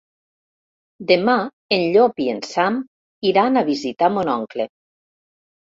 Demà en Llop i en Sam iran a visitar mon oncle.